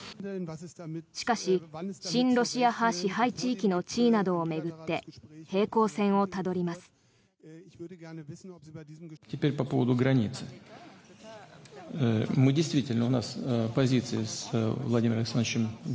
しかし、親ロシア派支配地域の地位などを巡って平行線をたどります。